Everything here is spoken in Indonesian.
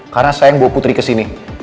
karena saya yang bawa putri kesini